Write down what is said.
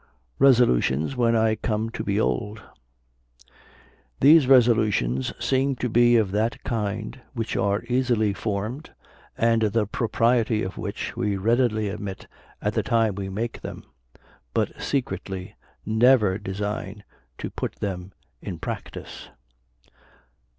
RESOLUTIONS WHEN I COME TO BE OLD. These resolutions seem to be of that kind which are easily formed, and the propriety of which we readily admit at the time we make them, but secretly never design to put them in practice.